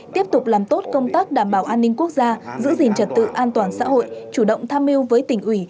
tiếp tục làm tốt công tác đảm bảo an ninh quốc gia giữ gìn trật tự an toàn xã hội chủ động tham mưu với tỉnh ủy